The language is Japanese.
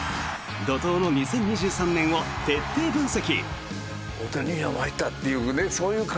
怒とうの２０２３年を徹底分析！